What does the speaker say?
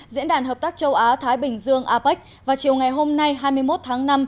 diễn đàn hợp tác châu á thái bình dương apec vào chiều ngày hôm nay hai mươi một tháng năm